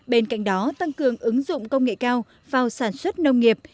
bên cạnh đó tăng cường ứng dụng công nghệ cao vào sản xuất nông nghiệp